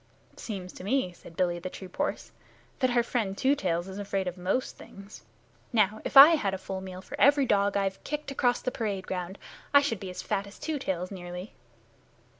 "Seems to me," said Billy to the troop horse, "that our friend Two Tails is afraid of most things. Now, if I had a full meal for every dog I've kicked across the parade ground I should be as fat as Two Tails nearly."